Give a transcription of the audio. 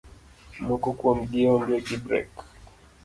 Moko kuomgi onge gi brek